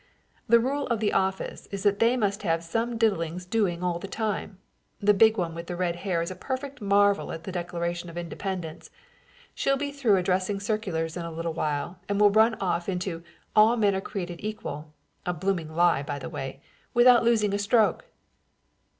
The rule of the office is that they must have some diddings doing all the time. The big one with red hair is a perfect marvel at the Declaration of Independence. She'll be through addressing circulars in a little while and will run off into 'All men are created equal' a blooming lie, by the way without losing a stroke."